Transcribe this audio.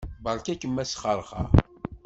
Beṛka-kem asxeṛxeṛ.